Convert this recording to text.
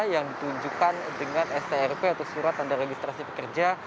yang ditunjukkan dengan strp atau surat tanda registrasi pekerja